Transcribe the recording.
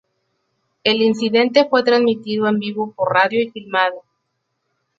El incidente fue transmitido en vivo por radio y filmado.